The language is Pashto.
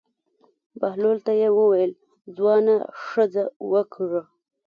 بهلول ته یې وویل: ځوانه ښځه وکړه.